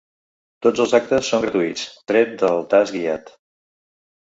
Tot els actes són gratuïts, tret del tast guiat.